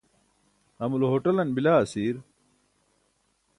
amulo hoṭalan bila asiir?